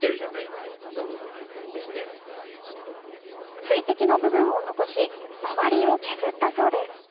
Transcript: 水滴の部分を残し周りを削ったそうです。